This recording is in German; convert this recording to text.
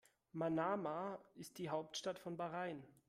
Manama ist die Hauptstadt von Bahrain.